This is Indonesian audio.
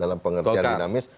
dalam pengertian dinamis